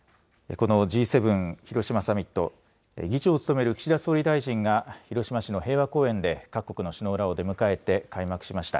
このＧ７広島サミット、議長を務める岸田総理大臣が広島市の平和公園で各国の首脳らを出迎えて開幕しました。